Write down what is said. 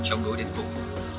chống đối đến cùng